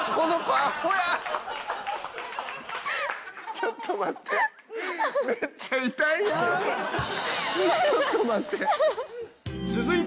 ちょっと待って。